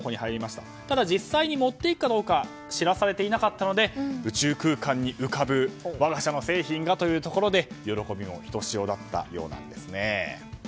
ただ、実際に持っていくかどうか知らされていなかったので宇宙空間に浮かぶ我が社の製品がというところで喜びもひとしおだったようです。